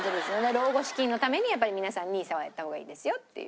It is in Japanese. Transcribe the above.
老後資金のためにやっぱり皆さんＮＩＳＡはやった方がいいですよっていう。